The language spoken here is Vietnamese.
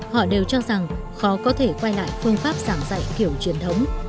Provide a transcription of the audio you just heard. họ đều cho rằng khó có thể quay lại phương pháp giảng dạy kiểu truyền thống